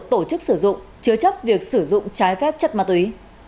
tổ chức sử dụng chứa chấp việc sử dụng trái phép chất ma túy